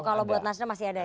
kalau buat nasdem masih ada ya